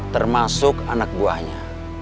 termasuk anak buahnya